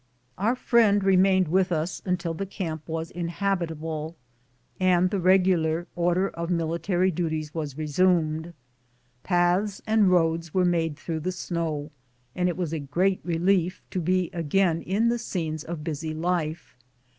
Our friend remained with us until the camp was in habitable and the regular order of military duties was resumed. Paths and roads were made through the snow, and it was a great relief to be again in the scenes of busy life.